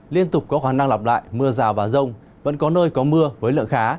liên tục có khả năng lặp lại mưa rào và rông vẫn có nơi có mưa với lượng khá